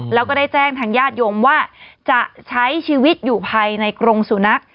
แล้วก็ได้แจ้งทางญาติโยมว่าจะใช้ชีวิตอยู่ภายในกรงสุนัข